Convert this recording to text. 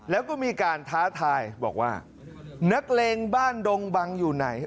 แล้วก็มีการท้าทายบอกว่านักเลงบ้านดงบังอยู่ไหน